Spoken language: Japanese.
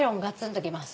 ときます。